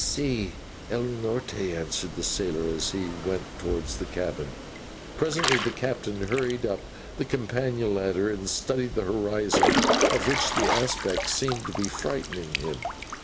"/Si, el Norte/," answered the sailor as he went towards the cabin. Presently the captain hurried up the companion ladder and studied the horizon, of which the aspect seemed to frighten him.